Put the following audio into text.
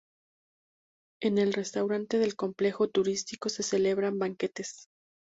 En el restaurante del complejo turístico se celebran banquetes.